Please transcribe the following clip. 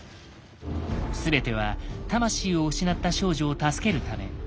全ては魂を失った少女を助けるため。